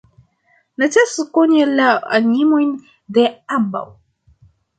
Necesas koni la animojn de ambaŭ.